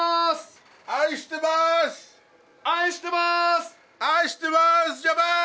愛してまーす！